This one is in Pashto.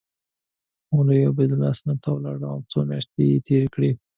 مولوي عبیدالله سند ته ولاړ او څو میاشتې یې تېرې کړې.